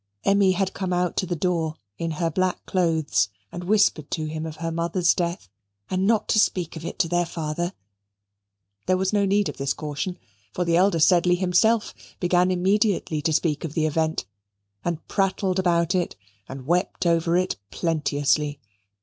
Emmy had come out to the door in her black clothes and whispered to him of her mother's death, and not to speak of it to their father. There was no need of this caution, for the elder Sedley himself began immediately to speak of the event, and prattled about it, and wept over it plenteously.